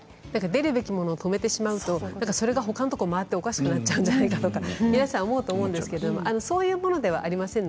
出るべきものを止めてしまうとそれがほかのところに回っておかしくなるんじゃないかと皆さん思うかもしれませんがそういうものではありません。